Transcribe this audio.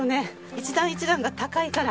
一段一段が高いから。